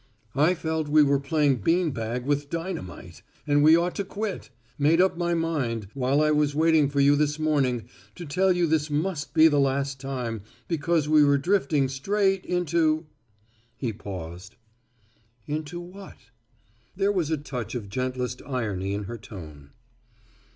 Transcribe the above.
"I felt we were playing bean bag with dynamite and we ought to quit made up my mind while I was waiting for you this morning to tell you this must be the last time, because we were drifting straight into " He paused. "Into what?" There was a touch of gentlest irony in her tone.